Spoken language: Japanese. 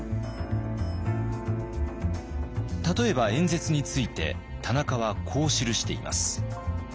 例えば演説について田中はこう記しています。